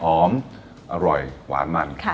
หอมอร่อยหวานมัน